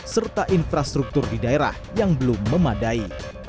serta infrastruktur di daerah yang belum memadai